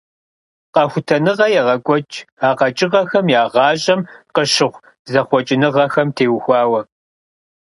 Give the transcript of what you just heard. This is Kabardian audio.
Къэхутэныгъэ егъэкӀуэкӀ а къэкӀыгъэхэм я гъащӀэм къыщыхъу зэхъуэкӀыныгъэхэм теухуауэ.